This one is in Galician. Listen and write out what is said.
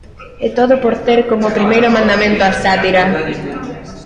E todo por ter como primeiro mandamento a sátira.